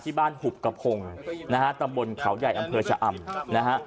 ที่บ้านหุบกระพงนะฮะตำบลเขาใหญ่อำเภอชะอำนะฮะ